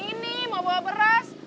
ini mau bawa beras